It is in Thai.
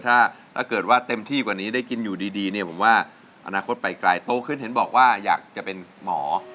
ถ้าเกิดว่าเต็มที่กว่านี้ได้กินอยู่ดีเนี่ยผมว่าอนาคตไปไกลโตขึ้นเห็นบอกว่าอยากจะเป็นหมอ